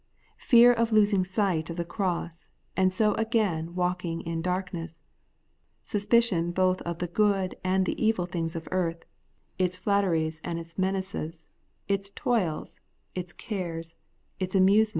Fear of losing sight of the cross, and so again walking in darkness ; suspicion both of the good and the evil things of earth, — ^its flatteries and its menaces, its toils, its cares, its amuse 210 The Everlasting Bighteousfness.